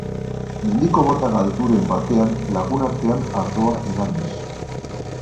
Mendiko borda galduren batean lagunartean ardoa edanez.